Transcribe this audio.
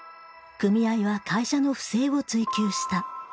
組合は会社の不正を追及した。